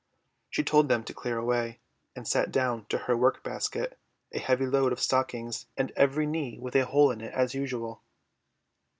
She told them to clear away, and sat down to her work basket, a heavy load of stockings and every knee with a hole in it as usual.